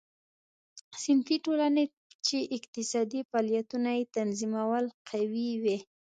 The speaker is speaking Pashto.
صنفي ټولنې چې اقتصادي فعالیتونه یې تنظیمول قوي وې.